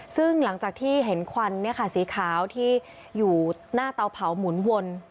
ซึ่งหลังจากที่เห็นควันสีขาวที่อยู่หน้าเตาเผาหมุนวน